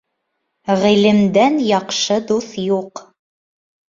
Ғилемдән яҡшы дуҫ юҡ